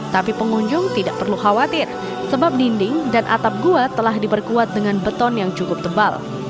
tapi pengunjung tidak perlu khawatir sebab dinding dan atap gua telah diperkuat dengan beton yang cukup tebal